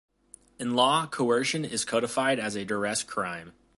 In law, coercion is codified as a duress crime.